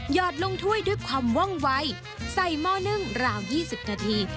อดลงถ้วยด้วยความว่องวัยใส่หม้อนึ่งราว๒๐นาที